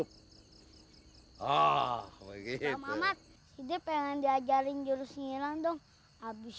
pengen diajarin jurusnya langsung habis